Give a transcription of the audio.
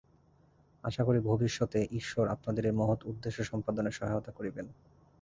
আশা করি, ভবিষ্যতে ঈশ্বর আপনাদের এই মহৎ উদ্দেশ্য-সম্পাদনে সহায়তা করিবেন।